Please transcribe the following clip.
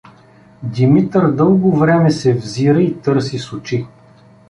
Димитър дълго време се взира и търси с очи.